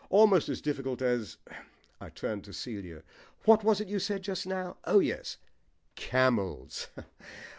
Almost as difficult as " I turned to Celia. "What was it you said just now? Oh yes, camels.